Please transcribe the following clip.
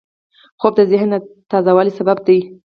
خوب د ذهن تازه والي سبب دی